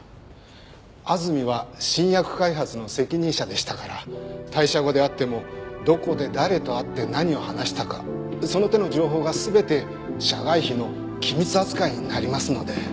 安住は新薬開発の責任者でしたから退社後であってもどこで誰と会って何を話したかその手の情報が全て社外秘の機密扱いになりますので。